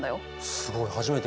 すごい初めて見た。